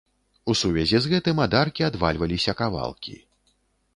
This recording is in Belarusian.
У сувязі з гэтым ад аркі адвальваліся кавалкі.